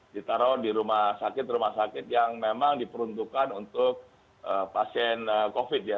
ditaruh di rumah sakit rumah sakit yang memang diperuntukkan untuk pasien covid ya